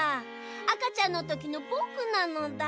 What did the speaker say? あかちゃんのときのぼくなのだ。